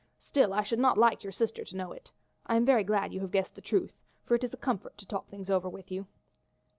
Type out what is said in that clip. Still I should not like your sister to know it. I am very glad you have guessed the truth, for it is a comfort to talk things over with you."